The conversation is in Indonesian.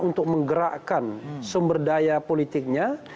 untuk menggerakkan sumber daya politiknya